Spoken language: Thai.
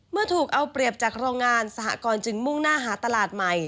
เมื่อถูกเอาเปรียบจากโรงงานสหกรณ์จึงมุ่งหน้าหาตลาดใหม่